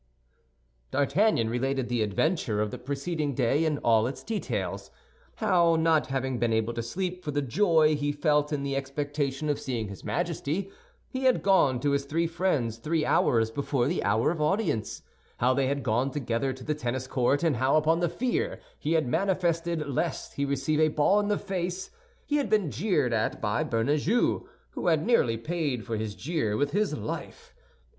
D'Artagnan related the adventure of the preceding day in all its details; how, not having been able to sleep for the joy he felt in the expectation of seeing his Majesty, he had gone to his three friends three hours before the hour of audience; how they had gone together to the tennis court, and how, upon the fear he had manifested lest he receive a ball in the face, he had been jeered at by Bernajoux, who had nearly paid for his jeer with his life, and M.